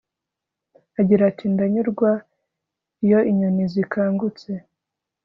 agira ati ndanyurwa iyo inyoni zikangutse